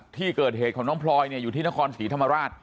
ที่เกิดเหตุของน้องพลอยอยู่ที่นครศรีธรรมราช